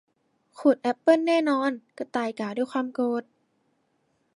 ขุดแอปเปิลแน่นอน กระต่ายกล่าวด้วยความโกรธ